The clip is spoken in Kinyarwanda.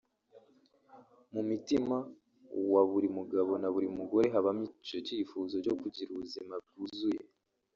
mu mutima wa buri mugabo na buri mugore habamo icyo cyifuzo cyo kugira ubuzima bwuzuye